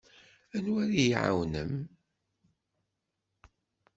Anwa ara iyi-iɛawnen?